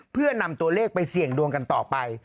เพื่อนำตัวเลขไปเสี่ยงดวงกันต่อไป